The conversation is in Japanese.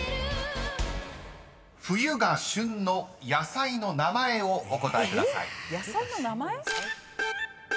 ［冬が旬の野菜の名前をお答えください］